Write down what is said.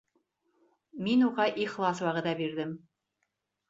Мин уға ихлас вәғәҙә бирҙем.